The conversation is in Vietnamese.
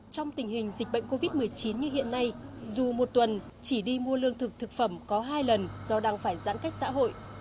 trong tình hình dịch bệnh covid một mươi chín như hiện nay dù một tuần chỉ đi mua lương thực thực phẩm có hai lần do đang phải giãn cách xã hội